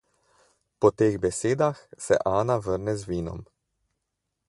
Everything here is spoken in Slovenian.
Po teh besedah se Ana vrne z vinom.